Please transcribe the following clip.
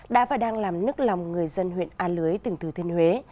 đã và đang làm nức lòng người dân huyện a lưới từng từ thiên huế